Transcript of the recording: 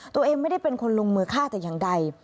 ตัวเองไม่ได้เป็นคนลงมือฆ่าแต่อย่างใด